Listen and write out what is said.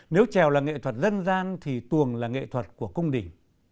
nếu trèo là nghệ thuật dân gian thì tuồng là nghệ thuật của cung đình